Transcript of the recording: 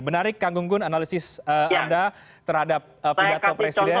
menarik kang gunggun analisis anda terhadap pidato presiden